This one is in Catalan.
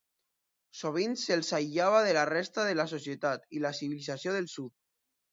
Sovint se'ls aïllava de la resta de la societat i la civilització del sud.